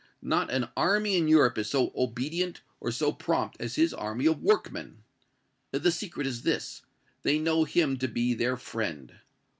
Not an army in Europe is so obedient or so prompt as his army of workmen. The secret is this they know him to be their friend.